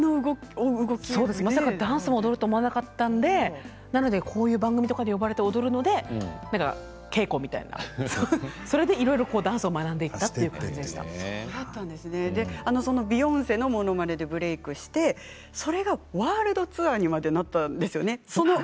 まさかダンスを踊ると思わなかったのでだからこういう番組に呼ばれて踊るので稽古みたいないろいろダンスを学んでいったんそのビヨンセのものまねでブレークしてそれが、ワールドツアーにまでなったんですね。